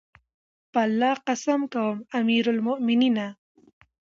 په الله قسم کوم امير المؤمنینه!